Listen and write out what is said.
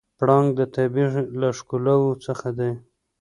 پړانګ د طبیعت له ښکلاوو څخه دی.